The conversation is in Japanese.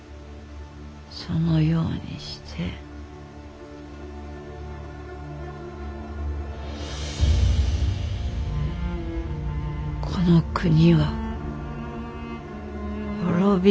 そのようにしてこの国は滅びるのじゃ。